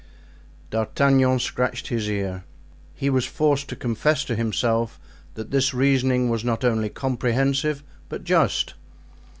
D'Artagnan scratched his ear. He was forced to confess to himself that this reasoning was not only comprehensive, but just.